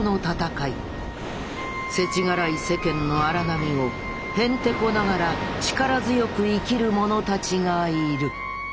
せちがらい世間の荒波をへんてこながら力強く生きる者たちがいる。